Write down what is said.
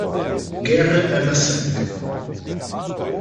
Guerra ama sangue.